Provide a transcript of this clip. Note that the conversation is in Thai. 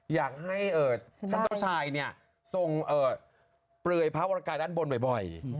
อยากให้ท่านเจ้าชายเนี่ยทรงเปลือยพระวรกายด้านบนบ่อย